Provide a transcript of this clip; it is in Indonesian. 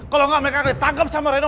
kalo nggak mereka akan ditangkap sama reno